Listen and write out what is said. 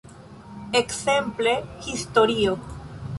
Ekzemple, historio.